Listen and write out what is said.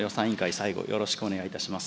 最後、よろしくお願いいたします。